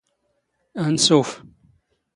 ⴰⵏⵙⵓⴼ.